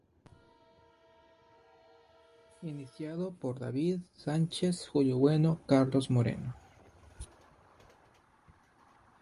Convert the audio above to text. Iniciado por David Sánchez, Julio Bueno, Carlos Moreno.